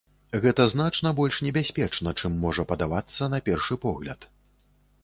І гэта значна больш небяспечна, чым можа падавацца на першы погляд.